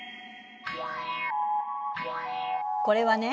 これはね